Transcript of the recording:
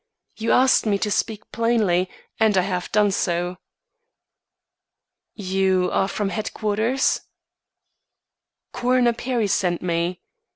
You asked me to speak plainly and I have done so." "You are from headquarters?" "Coroner Perry sent me."